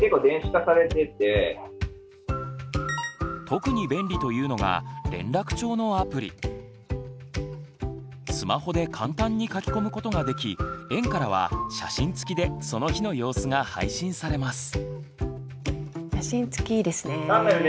特に便利というのがスマホで簡単に書き込むことができ園からは写真つきでその日の様子が配信されます。